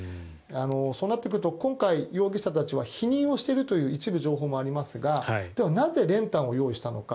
そうなってくると今回容疑者たちは否認をしているという一部情報がありますがなぜ練炭を用意したのか。